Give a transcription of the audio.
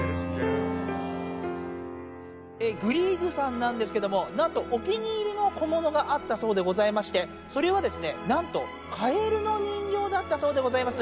グリーグさんなんですけれども、なんとお気に入りの小物があったそうでございまして、それはですね、なんと、カエルの人形だったそうでございます。